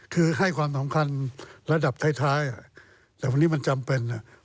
คือให้ความสำคัญระดับท้ายแต่วันนี้มันจำเป็น